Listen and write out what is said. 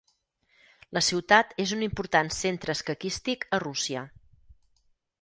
La ciutat és un important centre escaquístic a Rússia.